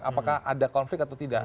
apakah ada konflik atau tidak